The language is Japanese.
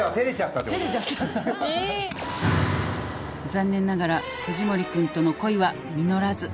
「残念ながら藤森くんとの恋は実らず」